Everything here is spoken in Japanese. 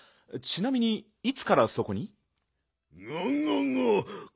ちなみにいつからそこに？